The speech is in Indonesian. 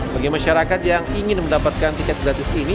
bagi masyarakat yang ingin mendapatkan tiket gratis ini